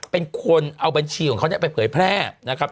เป็นคนเอาบัญชีของเขาเนี่ยไปเผยแพร่นะครับ